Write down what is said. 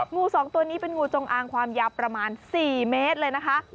งูสองตัวนี้เป็นงูจงอางความยาวประมาณ๔เมตรเลยนะคะ